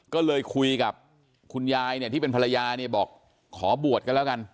ก็เลยคุยกับคุณยายเนี่ยที่เป็นภรรยาเนี่ยบอกขอบวชกันแล้วกัน